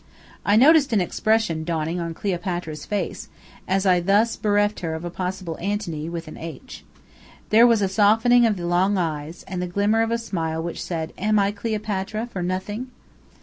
I noticed an expression dawning on Cleopatra's face, as I thus bereft her of a possible Antony (with an "H"). There was a softening of the long eyes, and the glimmer of a smile which said "Am I Cleopatra for nothing?"